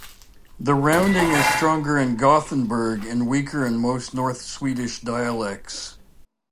The rounding is stronger in Gothenburg and weaker in most North Swedish dialects.